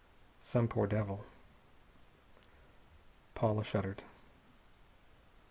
Some poor devil...." Paula shuddered.